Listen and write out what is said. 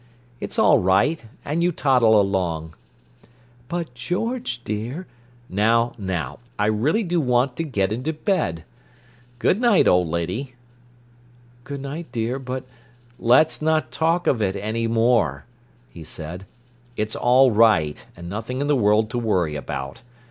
"It's all right, and you toddle along." "But, George, dear—" "Now, now! I really do want to get into bed. Good night, old lady." "Good night, dear. But—" "Let's not talk of it any more," he said. "It's all right, and nothing in the world to worry about.